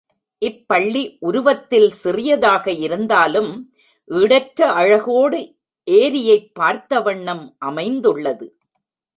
இப்பள்ளி உருவத்தில் சிறியதாக இருந்தாலும் ஈடற்ற அழகோடு ஏரியைப் பார்த்த வண்ணம் அமைந்துள்ளது.